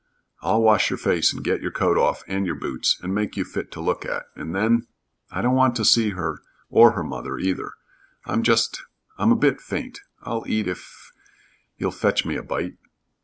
"I'll wash your face and get your coat off, and your boots, and make you fit to look at, and then " "I don't want to see her or her mother either. I'm just I'm a bit faint I'll eat if you'll fetch me a bite."